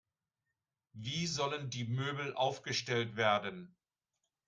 Wie sollen die Möbel aufgestellt werden?